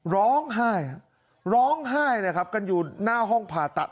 ร้องไห้ร้องไห้เลยครับกันอยู่หน้าห้องผ่าตัด